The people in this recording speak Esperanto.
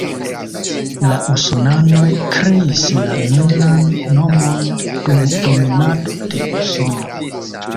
La usonanoj kreis la nunan nomon dum dominado de Usono.